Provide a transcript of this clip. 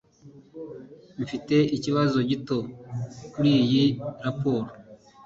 Mfite ikibazo gito kuriyi raporo.